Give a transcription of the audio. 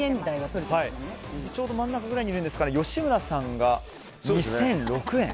ちょうど真ん中くらいにいる吉村さんが２００６円。